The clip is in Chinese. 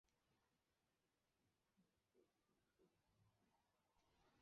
曼绒县的学校主要由曼绒县教育局管辖。